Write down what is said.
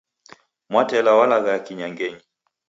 Mwatela walaghaya kinyangenyi.